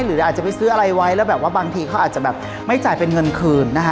หรืออาจจะไปซื้ออะไรไว้แล้วแบบว่าบางทีเขาอาจจะแบบไม่จ่ายเป็นเงินคืนนะคะ